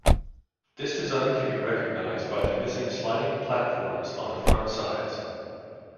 This design can be recognized by the missing sliding platforms on the front sides.